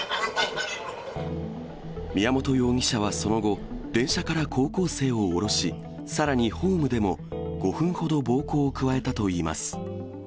宮本容疑者はその後、電車から高校生を降ろし、さらにホームでも５分ほど暴行を加えたといいます。